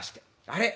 あれ？